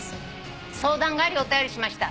「相談がありお便りしました。